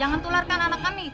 jangan tularkan anak kami